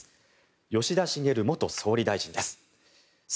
吉田茂元総理大臣です。